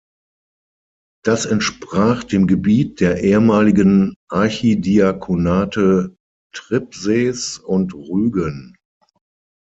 Das entsprach dem Gebiet der ehemaligen Archidiakonate Tribsees und Rügen.